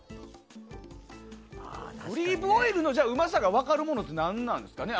オリーブオイルのうまさが分かるものってなんですかね？